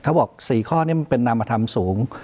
ก็บอก๔ข้อนี่เป็นนามธรรมสูง